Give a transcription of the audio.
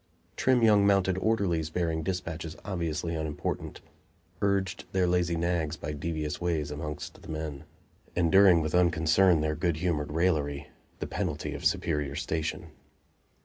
Trim young mounted orderlies, bearing dispatches obviously unimportant, urged their lazy nags by devious ways amongst the men, enduring with unconcern their good humored raillery, the penalty of superior station.